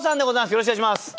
よろしくお願いします。